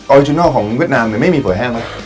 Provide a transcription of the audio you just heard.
ออร์จุนอลของเวียดนามเนี่ยไม่มีเฝอแห้งเหรอ